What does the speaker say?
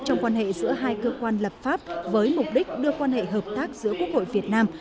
trong quan hệ giữa hai cơ quan lập pháp với mục đích đưa quan hệ hợp tác giữa quốc hội việt nam